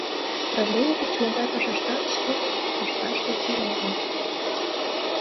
Правлений кеч-могай пашаштат шке вуя ышташ тӧчен огыл.